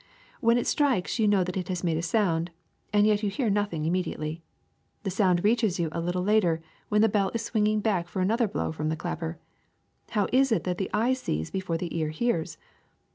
When it strikes you know that it makes a sound, and yet you hear nothing immediately. The sound reaches you a little later, when the bell is swinging back for another blow from the clapper. How is it that the eye sees before the ear hears